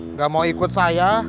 nggak mau ikut saya